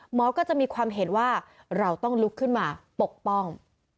หมอก็จะมีความเห็นว่าเราต้องลุกขึ้นมาปกป้อง